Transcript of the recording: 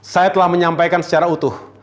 saya telah menyampaikan secara utuh